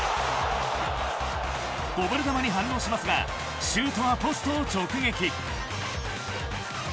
こぼれ球に反応しますがシュートはポストを直撃。